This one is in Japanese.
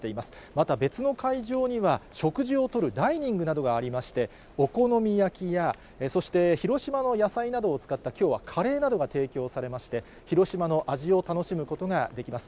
また、別の会場には、食事をとるダイニングなどがありまして、お好み焼きや、そして、広島の野菜などを使った、きょうはカレーなどが提供されまして、広島の味を楽しむことができます。